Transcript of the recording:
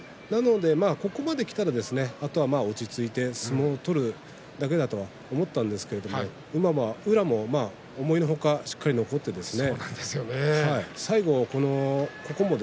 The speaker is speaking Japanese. ここまできたらあとは落ち着いて相撲を取るだけだと思ったんですけど宇良も思わず思いの外、しっかり残って最後、